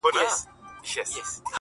• سترگه وره مي په پت باندي پوهېږي ـ